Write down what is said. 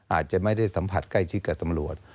อาจจะไม่ได้สัมผัสใกล้ชิดกับตำรวจ